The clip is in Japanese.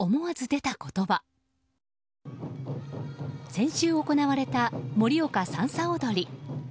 先週行われた盛岡さんさ踊り。